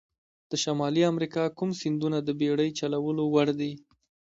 د شمالي امریکا کوم سیندونه د بېړۍ چلولو وړ دي؟